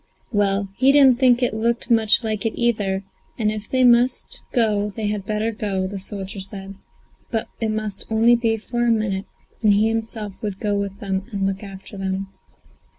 Well, he didn't think it looked much like it either, and if they must go they had better go, the soldier said; but it must only be for a minute, and he himself would go with them and look after them.